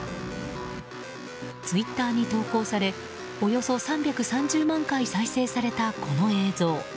ツイッターに投稿されおよそ３３０万回再生されたこの映像。